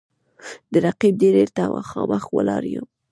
د رقیب دېرې ته مـــخامخ ولاړ یـــــم